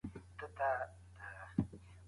عام افغانان د نورمالو ډیپلوماټیکو اړیکو ګټي نه لري.